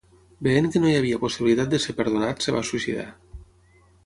Veient que no hi havia possibilitat de ser perdonat es va suïcidar.